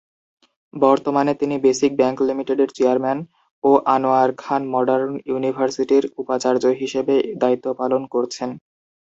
বর্তমানে তিনি Basic Bank লিমিটেডের চেয়ারম্যান ও আনোয়ার খান মডার্ন ইউনিভার্সিটির উপাচার্য হিসেবে দায়িত্ব পালন করছেন।